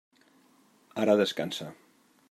Ara descansa.